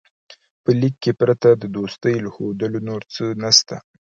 په لیک کې پرته د دوستۍ له ښودلو نور څه نسته.